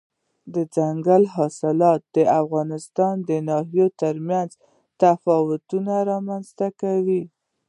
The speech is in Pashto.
دځنګل حاصلات د افغانستان د ناحیو ترمنځ تفاوتونه رامنځ ته کوي.